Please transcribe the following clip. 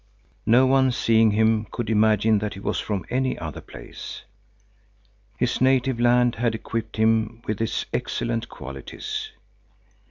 No one, seeing him, could imagine that he was from any other place. His native land had equipped him with its excellent qualities.